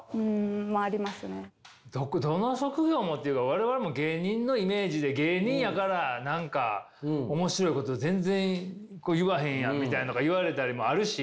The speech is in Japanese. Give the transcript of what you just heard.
我々も芸人のイメージで芸人やから何か面白いこと全然言わへんやんみたいのとか言われたりもあるし。